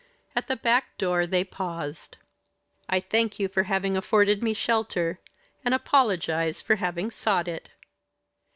At the back door they paused. "I thank you for having afforded me shelter, and apologise for having sought it."